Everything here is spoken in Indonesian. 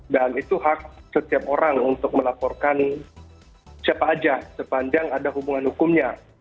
dan itu hak setiap orang untuk melaporkan siapa saja sepanjang ada hubungan hukumnya